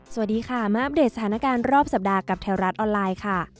สวัสดีค่ะมาอัปเดตสถานการณ์รอบสัปดาห์กับแถวรัฐออนไลน์ค่ะ